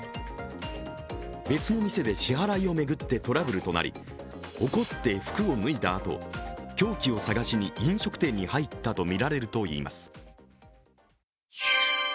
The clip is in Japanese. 別の店で支払いを巡ってトラブルとなり怒って服を脱いだあと凶器を探しに飲食店に入ったとみられるといいます。